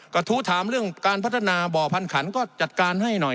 กระทู้ถามเรื่องการพัฒนาบ่อพันขันก็จัดการให้หน่อย